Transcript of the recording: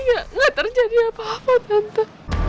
tapi gak terjadi apa apa tante